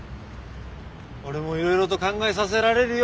俺もいろいろと考えさせられるよ